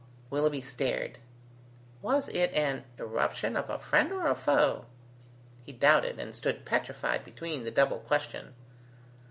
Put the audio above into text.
Willoughby stared. Was it an irruption of a friend or a foe? He doubted, and stood petrified between the double question.